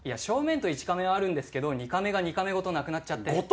正面と１カメはあるんですけど２カメが２カメごとなくなっちゃって。